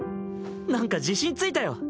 なんか自信ついたよ。